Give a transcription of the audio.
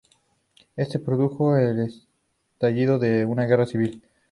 Esto produjo el estallido de una guerra civil.